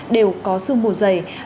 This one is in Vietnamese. đều có sương mùa dày